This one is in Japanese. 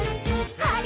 はい。